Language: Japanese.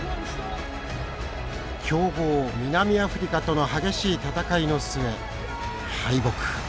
強豪南アフリカとの激しい戦いの末敗北。